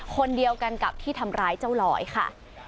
คนเดียวกันกับที่ทำร้ายเจ้าลอยค่ะ